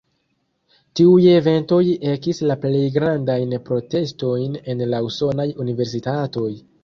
Tiuj eventoj ekis la plej grandajn protestojn en la usonaj universitatoj.